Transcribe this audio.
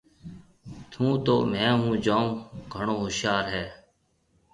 ٿُون تو ميه هون جوم گھڻو هوشيار هيَ۔